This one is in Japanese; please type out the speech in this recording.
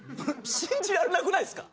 信じられなくないすか？